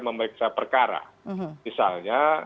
memeriksa perkara misalnya